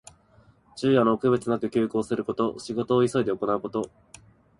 昼夜の区別なく急行すること。仕事を急いで行うこと。